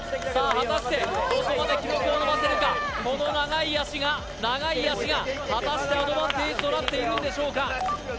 果たしてどこまで記録を伸ばせるかこの長い脚が長い脚が果たしてアドバンテージとなっているんでしょうか？